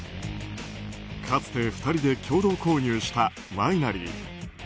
かつて２人で共同購入したワイナリー。